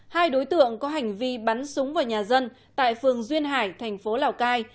hai đối tượng có hành vi bắn súng vào nhà dân tại phường duyên hải thành phố lào cai